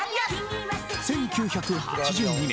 １９８２年